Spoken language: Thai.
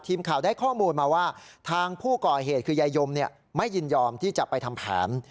ทีมข่าวได้ข้อมูลมาว่าทางผู้ก่อเหตุคือยายยมไม่ยินยอมที่จะไปทำแผน